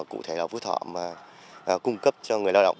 cụ thể là phối thỏa mà cung cấp cho người lao động